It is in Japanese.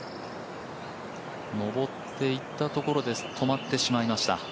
上ってしまったところで止まってしまいました。